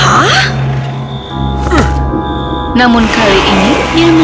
miliknya sang penyihir telah menunggunya